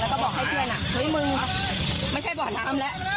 แล้วก็บอกให้เพื่อนเฮ้ยมึงไม่ใช่บ่อน้ำแล้ว